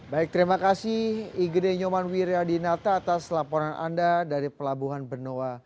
baik terima kasih igne nyoman wirjadinata atas laporan anda dari pelabuhan benua